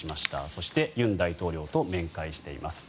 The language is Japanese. そして尹大統領と面会しています。